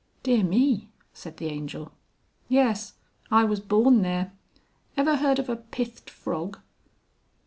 "Dear me," said the Angel. "Yes, I was born there. Ever heard of a pithed frog?"